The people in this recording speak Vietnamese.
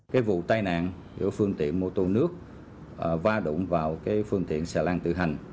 cái vụ tai nạn giữa phương tiện mô tô nước va đụng vào cái phương tiện xà lan tự hành